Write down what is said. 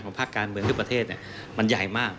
ของพรรคการเมืองทั้งประเทศเนี่ยมันใหญ่มาก